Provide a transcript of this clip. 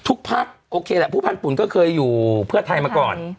พักโอเคแหละผู้พันธุ์ก็เคยอยู่เพื่อไทยมาก่อน